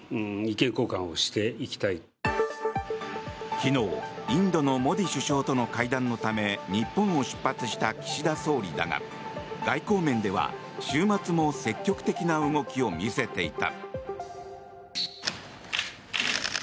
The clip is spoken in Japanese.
昨日、インドのモディ首相との会談のため日本を出発した岸田総理だが外交面では週末も積極的な動きを見せていた。